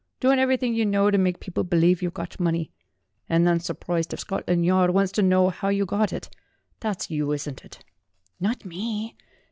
Doing everything you know to make people believe you've got money, and then sur prised if Scotland Yard wants to know how you got it! That's you, isn't it?" "Not me.